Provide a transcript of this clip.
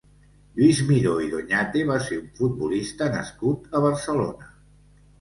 Lluís Miró i Doñate va ser un futbolista nascut a Barcelona.